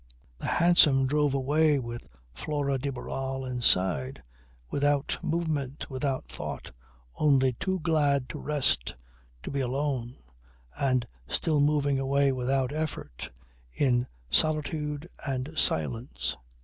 The hansom drove away with Flora de Barral inside, without movement, without thought, only too glad to rest, to be alone and still moving away without effort, in solitude and silence.